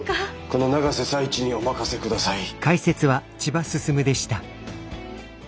この永瀬財地にお任せください。